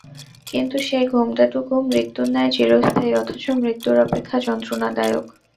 কিন্তু সেই ঘোমটাটুকু মৃত্যুর ন্যায় চিরস্থায়ী, অথচ মৃত্যুর অপেক্ষা যন্ত্রণাদায়ক।